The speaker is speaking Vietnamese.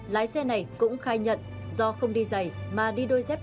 lái xe này cũng khai nhận do không đi dày mà đi đôi dép